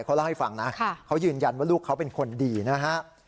เขาเล่าให้ฟังนะเขายืนยันว่าลูกเขาเป็นคนดีนะฮะ